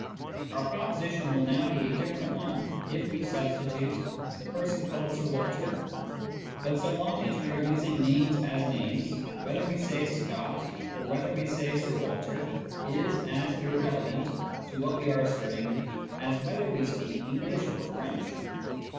Our proposition will now be a different one if we substitute " the person called ' Sir Walter.' " But so long as we are using names as names, whether we say " Scott " or whether we say " Sir Walter " is as irrelevant to what we are asserting as whether we speak English or French.